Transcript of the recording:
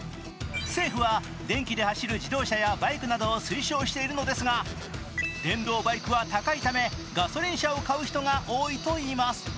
政府は電気で走る自動車やバイクなどを推奨しているのですが電動バイクは高いためガソリン車を買う人が多いといいます。